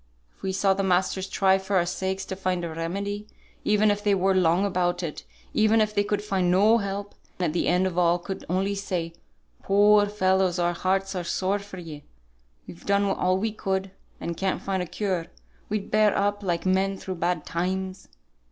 If we saw the masters try for our sakes to find a remedy, even if they were long about it, even if they could find no help, and at the end of all could only say, 'Poor fellows, our hearts are sore for ye; we've done all we could, and can't find a cure,' we'd bear up like men through bad times.